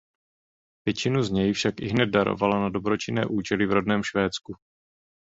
Většinu z něj však ihned darovala na dobročinné účely v rodném Švédsku.